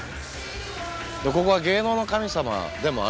ここは芸能の神様でもあるんで。